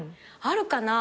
あるかな。